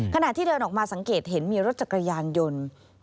ขณะที่เดินออกมาสังเกตเห็นมีรถจักรยานยนต์